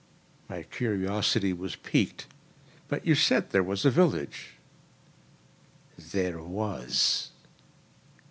My curiosity was piqued, "But you said there was a village." "There was."